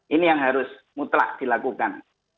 ini yang harus mutlak dilakukan